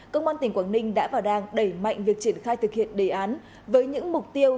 công an tỉnh quảng ninh đã và đang đẩy mạnh việc triển khai thực hiện đề án với những mục tiêu